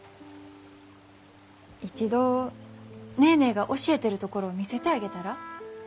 一度ネーネーが教えてるところ見せてあげたら？